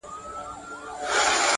شمال مي ځان، جنوب مي تن